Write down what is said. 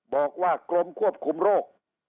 บอกว่ากรมควบคุมโรค